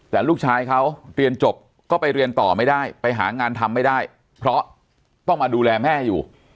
แต่ลูกชายเขาเรียนจบก็ไปเรียนต่อไม่ได้ไปหางานทำไม่ได้เพราะต้องมาดูแลแม่อยู่